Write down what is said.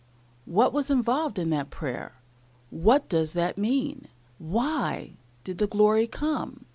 what was involved in that prayer what does that mean? Why did the glory come?